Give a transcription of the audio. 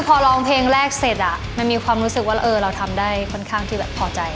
พอร้องเพลงแรกเสร็จมันมีความรู้สึกว่าเราทำได้ค่อนข้างที่แบบพอใจ